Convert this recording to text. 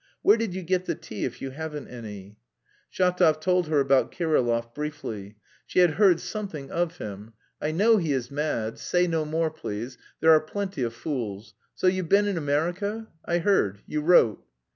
Where did you get the tea if you haven't any?" Shatov told her about Kirillov briefly. She had heard something of him. "I know he is mad; say no more, please; there are plenty of fools. So you've been in America? I heard, you wrote."